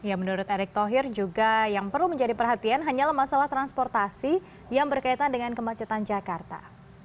ya menurut erick thohir juga yang perlu menjadi perhatian hanyalah masalah transportasi yang berkaitan dengan kemacetan jakarta